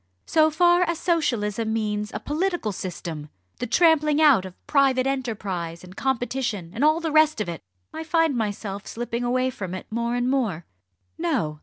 so far as Socialism means a political system the trampling out of private enterprise and competition, and all the rest of it I find myself slipping away from it more and more. No!